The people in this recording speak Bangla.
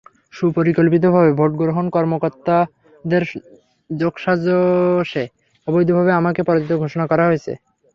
সুপরিকল্পিতভাবে ভোট গ্রহণ কর্মকর্তাদের যোগসাজশে অবৈধভাবে আমাকে পরাজিত ঘোষণা করা হয়েছে।